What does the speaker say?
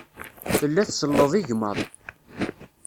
Tella tselleḍ igmaḍ.